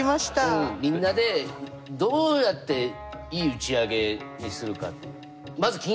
うんみんなでどうやっていい打ち上げにするか。